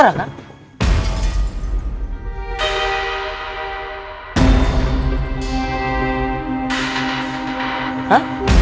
ya udah rapat ya mereka